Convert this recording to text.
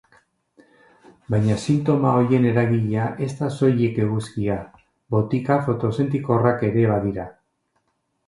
Baina sintoma horien eragilea ez da soilik eguzkia, botika fotosentikorrak ere badira.